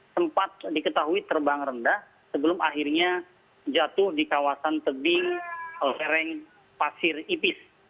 sempat diketahui terbang rendah sebelum akhirnya jatuh di kawasan tebing lereng pasir ipis